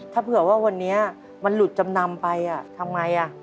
ถ้าเผื่อว่าวันนี้อ่ะมันหลุดจำนำไปอ่ะทำไมอ่ะ